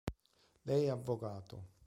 Lei è avvocato.